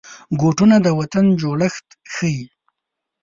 بوټونه د وطن جوړښت ښيي.